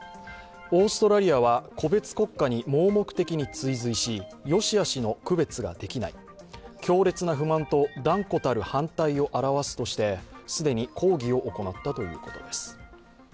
オーストラリアは個別国家に盲目的に追随し善しあしの区別ができない、強烈な不満と、断固たる反対を表すとして既に抗議を行ったということです。